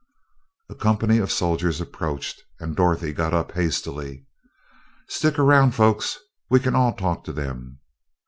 A company of soldiers approached, and Dorothy got up hastily. "Stick around, folks. We can all talk to them."